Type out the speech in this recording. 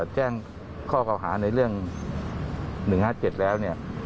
แจ้งข้อเกาะหาในเรื่อง๑๕๗แล้ว